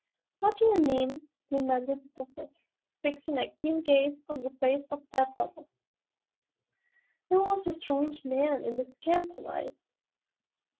"What do you mean?" demanded the Professor, fixing a keen gaze on the face of Tad Butler. "There was a strange man in this camp tonight."